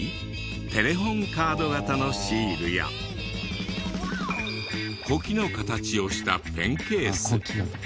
テレホンカード型のシールや子機の形をしたペンケース。